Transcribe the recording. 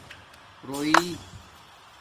رݸئ